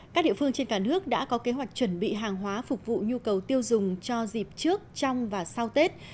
các địa phương trên cả nước đã có kế hoạch chuẩn bị hàng hóa phục vụ nhu cầu tiêu dùng cho dịp trước trong và sau tết